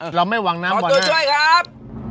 ขอตัวช่วยครับ